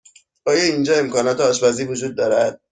آیا اینجا امکانات آشپزی وجود دارد؟